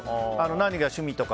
何が趣味とか。